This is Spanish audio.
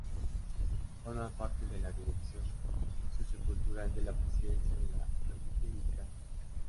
Forma parte de la Dirección Sociocultural de la Presidencia de la República.